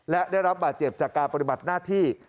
และได้รับบาดเจ็บจากการปฏิบัติหน้าที่